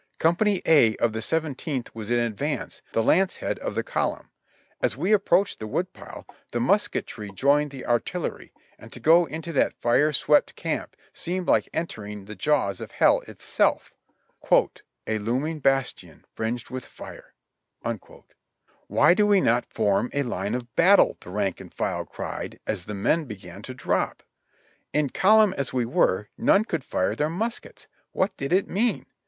Company A of the Seventeenth was in advance, the lance head of the column. As we approached the wood pile, the musketry joined the artillery, and to go into that fire swept camp seemed like entering the jaws of hell itself — "A looming bastion, fringed with fire." "Why do we not form a line of battle?" the rank and file cried as the men began to drop. In column as we were, none could fire their muskets! What did it mean?